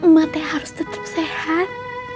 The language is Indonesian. mak teh harus tetap sehat